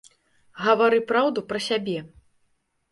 Гавары праўду пра сябе.